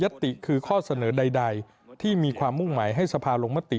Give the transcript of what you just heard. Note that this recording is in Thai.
ติคือข้อเสนอใดที่มีความมุ่งหมายให้สภาลงมติ